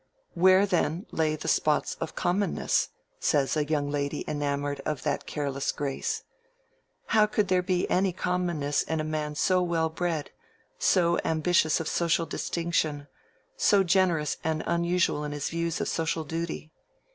Where then lay the spots of commonness? says a young lady enamoured of that careless grace. How could there be any commonness in a man so well bred, so ambitious of social distinction, so generous and unusual in his views of social duty?